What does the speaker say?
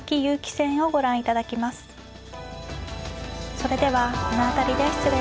それではこの辺りで失礼します。